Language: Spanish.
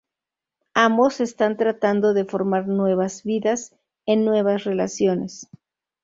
Ambos están tratando de formar nuevas vidas en nuevas relaciones.